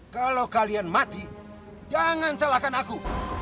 kalau kalian mati jangan salahkan aku